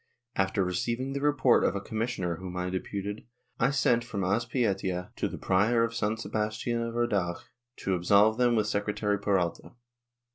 After receiving the report of a commissioner whom I deputed, I sent from Azpeitia to the Prior of San Sebastian of Urdax to absolve them with Secretary Peralta.